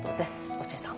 落合さん。